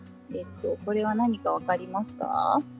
これは何か分かりますか？